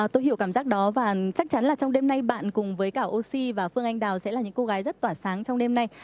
tôi hiểu cảm giác đó và chắc chắn là trong đêm nay bạn cùng với cả oxy và phương anh đào sẽ là những cô gái rất tỏa sáng trong đêm nay